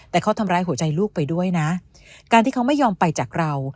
แต่เขาทำร้ายหัวใจลูกไปด้วยนะการที่เขาไม่ยอมไปจากเรา